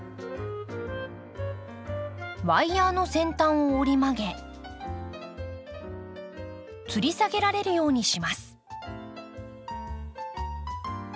ワイヤーの先端を折り曲げつり下げられるようにします。